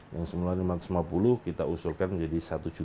yang sembilan ribu lima ratus lima puluh kita usulkan menjadi